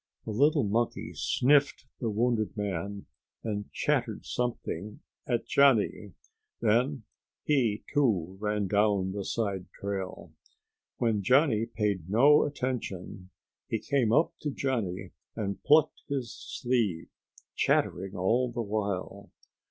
The little monkey sniffed the wounded man and chattered something at Johnny. Then he, too, ran down the side trail. When Johnny paid no attention, he came up to Johnny and plucked his sleeve, chattering all the while.